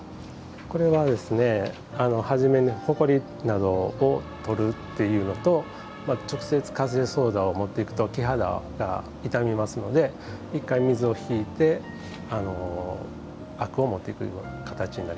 これは初めにほこりなどを取るっていうのと直接カセイソーダを持っていくと木肌が傷みますので１回水を引いて灰汁を持ってくる形になります。